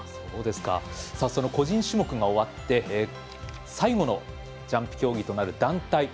その個人種目が終わって最後のジャンプ競技となる団体。